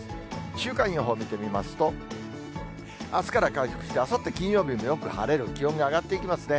週間予報見てみますと、あすから回復して、あさって金曜日もよく晴れる、気温が上がっていきますね。